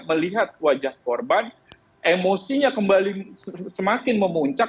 melihat wajah korban emosinya kembali semakin memuncak